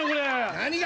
何が？